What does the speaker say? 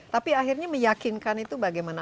tapi akhirnya meyakinkan itu bagaimana